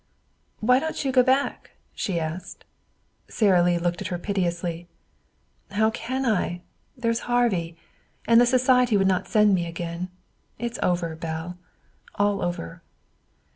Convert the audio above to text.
"Why don't you go back?" she asked. Sara Lee looked at her piteously. "How can I? There is Harvey. And the society would not send me again. It's over, Belle. All over."